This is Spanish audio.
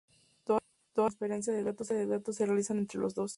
Toda la transferencia de datos se realiza entre los dos.